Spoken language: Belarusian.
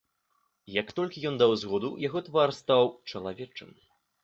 Як толькі ён даў згоду, яго твар стаў чалавечым.